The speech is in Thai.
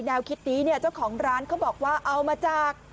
แนวคิดนี้เนี่ยเจ้าของร้านเขาบอกว่าเอามาจาก